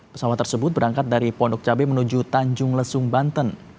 pesawat tersebut berangkat dari pondok cabai menuju tanjung lesung banten